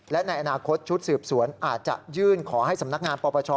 และในอนาคตชุดสืบสวนอาจจะยื่นขอให้สำนักงานปปช